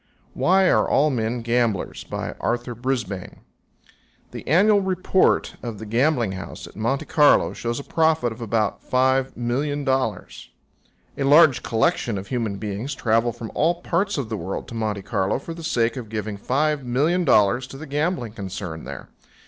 WHY ARE ALL MEN GAMBLERS? The annual report of the gambling house at Monte Carlo shows a profit of about $5,000,000. A large collection of human beings travel from all parts of the world to Monte Carlo for the sake of giving $5,000,000 to the gambling concern there.